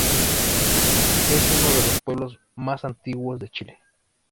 Es uno de los pueblos más antiguos de Chile.